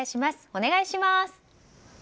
お願いします。